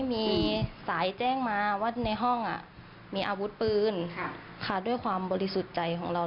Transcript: มีสายแจ้งมาว่าในห้องมีอาวุธปืนด้วยความบริสุทธิ์ใจของเรา